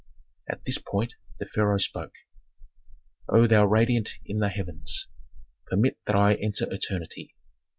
At this point the pharaoh spoke: "O thou radiant in the heavens! Permit that I enter eternity.